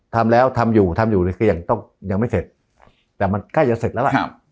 ทำแล้วทำอยู่ทำอยู่ในเสี่ยงต้องยังไม่เสร็จแต่มันใกล้จะเสร็จแล้วล่ะ